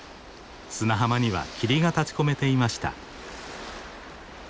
砂浜には霧が立ちこめていました。